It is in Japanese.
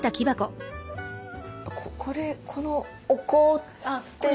これこのお香っていうのは？